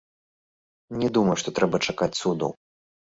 Не думаю, што трэба чакаць цудаў.